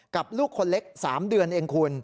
ลูกคนเล็ก๓เดือนเองคุณ